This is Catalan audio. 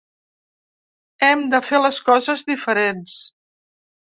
Hem de fer les coses diferents.